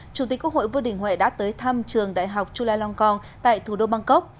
chủ tịch quốc hội vương đình huệ đã tới thăm trường đại học chulalongkorn tại thủ đô bangkok